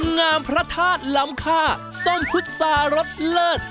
งามพระธาตุล้ำค่าส้มพุษารสเลิศ